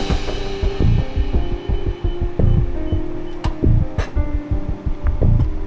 jangan tinggal dengan aku sendiri disini